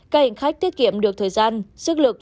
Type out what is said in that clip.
các hành khách tiết kiệm được thời gian sức lực